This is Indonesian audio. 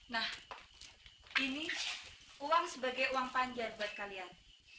nah ini uang sebagai uang panjar buat kalian